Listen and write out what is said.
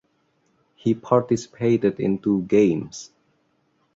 He participated in two games.